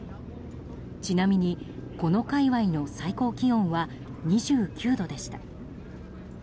ちなみにこの界隈の最高気温は２９度でした。